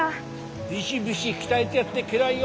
ビシビシ鍛えでやってけらいよ！